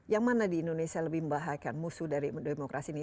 yang mana di indonesia lebih membahayakan musuh dari demokrasi ini